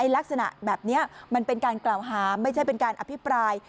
ลักษณะแบบนี้มันเป็นการกล่าวหาไม่ใช่เป็นการอภิปราย